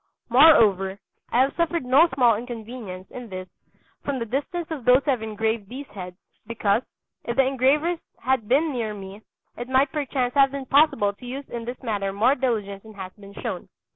Moreover, I have suffered no small inconvenience in this from the distance of those who have engraved these heads, because, if the engravers had been near me, it might perchance have been possible to use in this matter more diligence than has been shown.